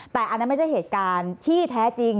แต่อันนั้นไม่ใช่เหตุการณ์ที่แท้จริง